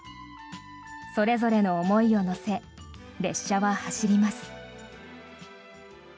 それぞれの思いを乗せ列車は走ります。